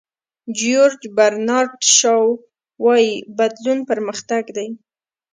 جیورج برنارد شاو وایي بدلون پرمختګ دی.